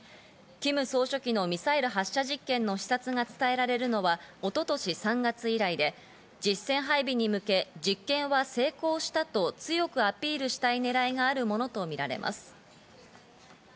キム総書記のミサイル発射実験の視察が伝えられるのは一昨年３月以来で、実戦配備に向け実験が成功したと強くアピールしたい狙いがあるとみられます。